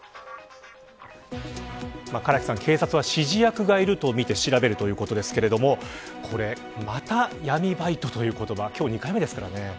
唐木さん、警察は指示役がいるとみて調べるということですがまた闇バイトという言葉